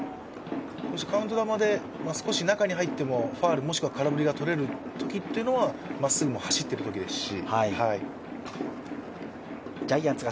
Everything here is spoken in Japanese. カウント球で少し中に入ってもファウル、もしくは空振りが取れるときは、まっすぐも走ってるときですし。